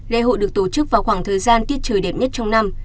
lễ hội được tổ chức vào khoảng thời gian tiết trời đẹp nhất trong năm